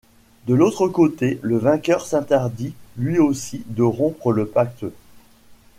De l'autre côté le vainqueur s'interdit lui aussi de rompre le pacte.